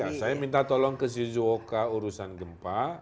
ya saya minta tolong ke shizuoka urusan gempa